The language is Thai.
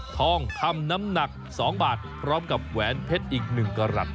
ทองคำน้ำหนักสองบาทพร้อมกับแหวนเพชรอีกหนึ่งกระหลัด